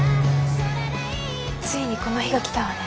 ついにこの日が来たわね。